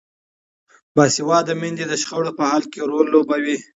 باسواده میندې د شخړو په حل کې رول لوبوي.